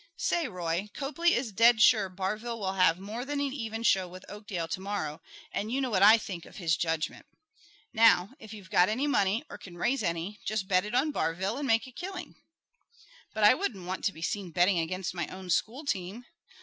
Say, Roy, Copley is dead sure Barville will have more than an even show with Oakdale to morrow, and you know what I think of his judgment. Now, if you've got any money, or can raise any, just bet it on Barville and make a killing." "But I wouldn't want to be seen betting against my own school team."